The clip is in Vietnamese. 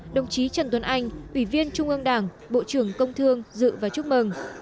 đồng chí trần tuấn anh ủy viên trung ương đảng bộ trưởng công thương dự và chúc mừng